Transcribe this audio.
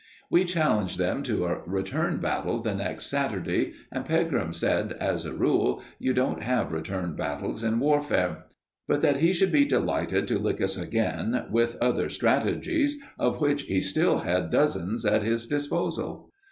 We challenged them to a return battle the next Saturday, and Pegram said, as a rule, you don't have return battles in warfare, but that he should be delighted to lick us again, with other strategies, of which he still had dozens at his disposal.